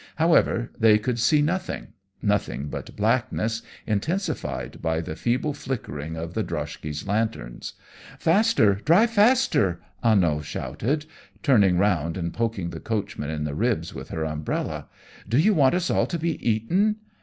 However, they could see nothing nothing but blackness, intensified by the feeble flickering of the droshky's lanterns. "Faster! drive faster!" Anno shouted, turning round and poking the coachman in the ribs with her umbrella. "Do you want us all to be eaten?"